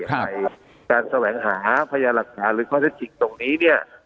ครับการแสวงหาพญาหลักษณะหรือข้อเศรษฐกิจตรงนี้เนี้ย